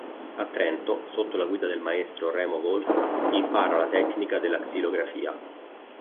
A Trento, sotto la guida del maestro Remo Wolf, impara la tecnica della xilografia.